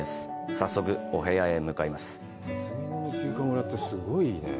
早速お部屋へ向かいます。